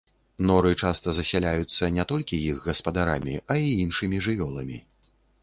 Норы часта засяляюцца не толькі іх гаспадарамі, а і іншымі жывёламі.